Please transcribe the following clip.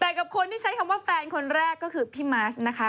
แต่กับคนที่ใช้คำว่าแฟนคนแรกก็คือพี่มาสนะคะ